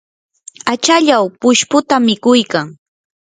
achallaw pushputa mikuykan.